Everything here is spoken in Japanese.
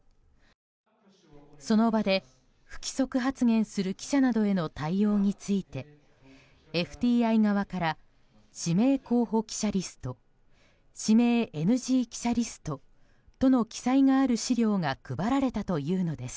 その場で不規則発言する記者などへの対応についてＦＴＩ側から指名候補記者リスト指名ＮＧ記者リストとの記載がある資料が配られたというのです。